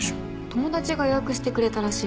友達が予約してくれたらしいです。